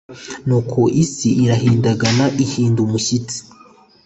Nuko isi irahindagana ihinda umushyitsi